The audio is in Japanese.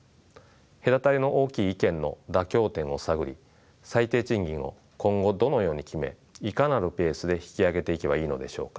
隔たりの大きい意見の妥協点を探り最低賃金を今後どのように決めいかなるペースで引き上げていけばいいのでしょうか。